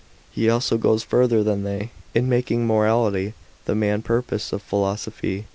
He also goes further than they, in making morality the main purpose of philosophy.